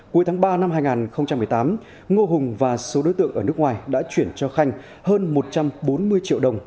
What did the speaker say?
cuối tháng ba năm hai nghìn một mươi tám ngô hùng và số đối tượng ở nước ngoài đã chuyển cho khanh hơn một trăm bốn mươi triệu đồng